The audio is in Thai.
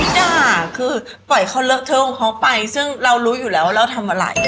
ด่าคือปล่อยเค้าเลิกเธอบนเค้าไปซึ่งเรารู้อยู่แล้วเรามันทำอะไร